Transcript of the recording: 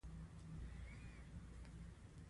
دا میوه د چاغښت مخنیوی کوي.